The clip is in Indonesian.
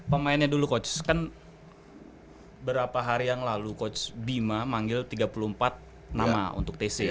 pemainnya dulu coach kan berapa hari yang lalu coach bima manggil tiga puluh empat nama untuk tc